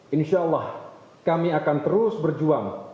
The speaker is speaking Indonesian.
insya allah kami akan terus berjuang